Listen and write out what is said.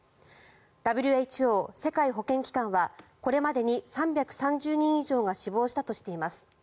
ＷＨＯ・世界保健機関はこれまでに３３０人以上が死亡したとしています。